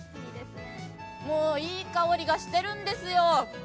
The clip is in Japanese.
もう、いい香りがしてるんですよ。